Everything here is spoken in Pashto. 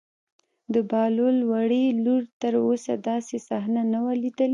د بهلول وړې لور تر اوسه داسې صحنه نه وه لیدلې.